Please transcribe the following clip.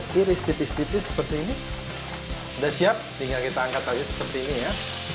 tiris tipis tipis seperti ini udah siap tinggal kita angkat aja seperti ini ya